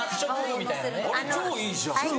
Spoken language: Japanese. あれ超いいじゃん。